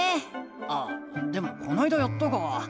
あでもこないだやったか。